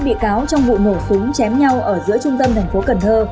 hai mươi một bị cáo trong vụ nổ súng chém nhau ở giữa trung tâm thành phố cần thơ